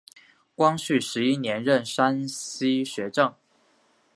光绪十一年任山西学政。